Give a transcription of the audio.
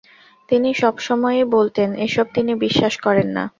তিনি সবসময়ই বলতেন, এসব তিনি বিশ্বাস করেন না।